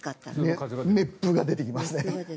熱風が出てきますね。